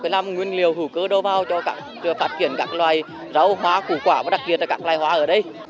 lại hiệu quả bắt đầu